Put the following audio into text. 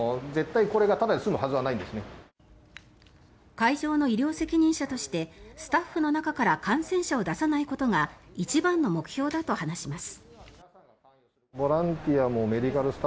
会場の医療責任者としてスタッフの中から感染者を出さないことが一番の目標だと話します。